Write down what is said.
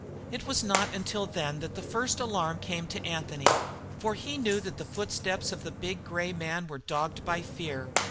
It was not until then that the first alarm came to Anthony, for he knew that the footsteps of the big grey man were dogged by fear.